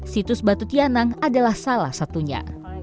situs batu tianang adalah salah satunya